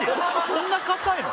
そんな硬いの？